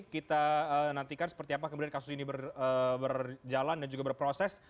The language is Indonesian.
kita nantikan seperti apa kemudian kasus ini berjalan dan juga berproses